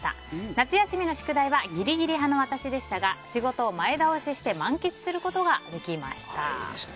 夏休みの宿題はギリギリ派の私でしたが仕事を前倒しして満喫することができました。